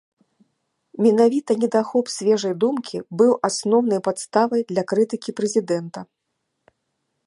Менавіта недахоп свежай думкі быў асноўнай падставай для крытыкі прэзідэнта.